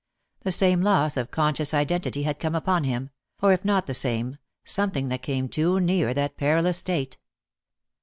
The same loss of conscious identity had come upon him, or if not the same, something that came too near that perilous state.